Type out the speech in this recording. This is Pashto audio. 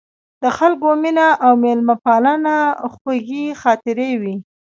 د خلکو مینه او میلمه پالنه خوږې خاطرې وې.